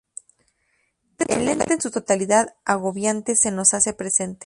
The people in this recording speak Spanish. El ente en su totalidad agobiante, se nos hace presente.